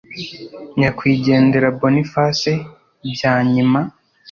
nyakwigendera Boniface Byanyima